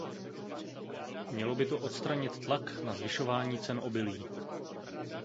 Mělo by to odstranit tlak na zvyšování cen obilí.